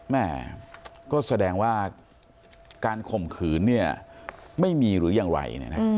แม่ก็แสดงว่าการข่มขืนเนี่ยไม่มีหรือยังไร